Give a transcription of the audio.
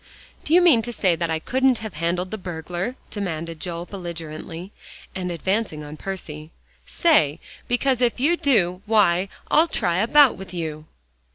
"Do you mean to say that I couldn't have handled the burglar?" demanded Joel belligerently, and advancing on Percy, "say? Because if you do, why, I'll try a bout with you."